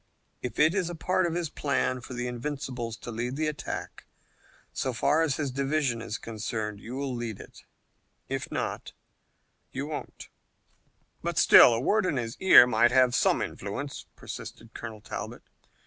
If it is a part of his plan for the Invincibles to lead the attack, so far as his division is concerned, you'll lead it. If not, you won't." "But still a word in his ear might have some influence," persisted Colonel Talbot.